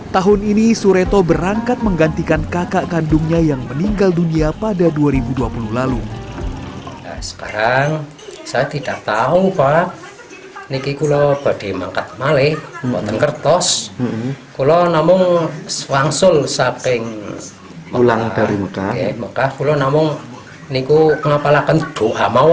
tahun ini sureto berangkat menggantikan kakak kandungnya yang meninggal dunia pada dua ribu dua puluh lalu